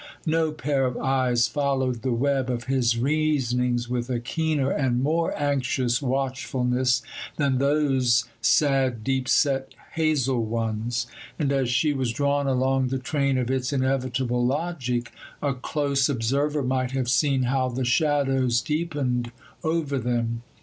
No pair of eyes followed the web of his reasonings with a keener and more anxious watchfulness than those sad, deep set, hazel ones; and as she was drawn along the train of its inevitable logic, a close observer might have seen how the shadows deepened over them.